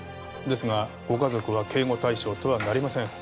ですがご家族は警護対象とはなりません。